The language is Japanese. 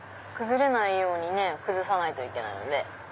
崩れないようにね崩さないといけないので。